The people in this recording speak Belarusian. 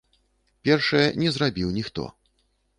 Першае не зрабіў ніхто.